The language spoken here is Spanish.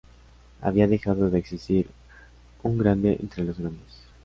Había dejado de existir un grande entre los grandes.